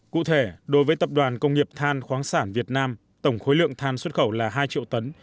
cụ thể đối với tập đoàn công nghiệp than khoáng sản việt nam tổng khối lượng than xuất khẩu là hai triệu tấn